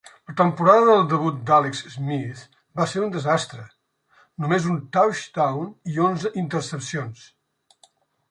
La temporada del debut d'Alex Smith va ser un desastre: només un touchdown i onze intercepcions.